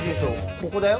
ここだよ。